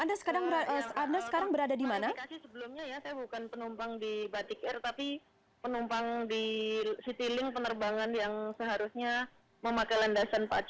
anda sekarang berada di mana